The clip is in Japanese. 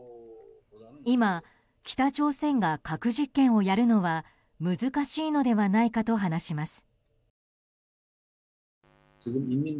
今、北朝鮮が核実験をやるのは難しいのではないかと話します。